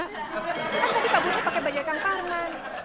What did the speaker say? kan tadi kaburnya pake bajak kang parman